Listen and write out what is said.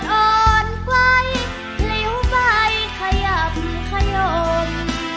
หนูมาเจอกับคุณ